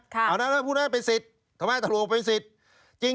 เอานะพูดได้เป็นสิทธิ์ทำให้ตะโรปเป็นสิทธิ์